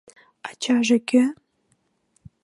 — Ачаже кӧ?